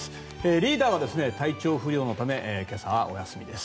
リーダーは体調不良のため今朝はお休みです。